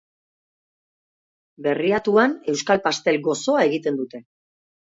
Berriatuan euskal pastel gozoa egiten dute.